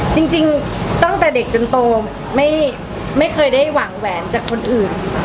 จริงตั้งแต่เด็กจนโตไม่เคยได้หวังแหวนจากคนอื่น